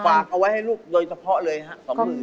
ฝากเอาไว้ให้ลูกโดยเฉพาะเลยครับ